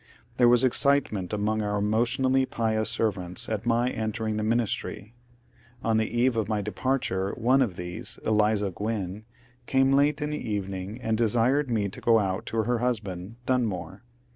There was excitement among our emotionally pious servants at my entering the ministry. On the eve of my departure one of these, Eliza Gwynn, came late in the evening and desired me to go out to her husband, Dunmore.